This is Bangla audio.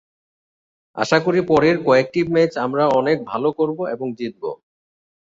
আশা করি পরের কয়েকটি ম্যাচ আমরা অনেক ভালো করব এবং জিতব।